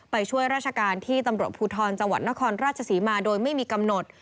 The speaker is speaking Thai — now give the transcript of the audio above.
ไปช่วยราชการที่ตำรวจภูทรจังหวัดนครราชศรีมาโดยไม่มีกำหนด